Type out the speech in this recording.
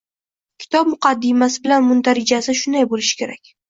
Kitob muqaddimasi bilan mundarijasi shunday bo‘lishi kerak